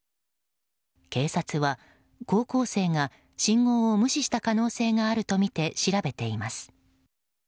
警察は、高校生が信号を無視した可能性があるとみて調べています。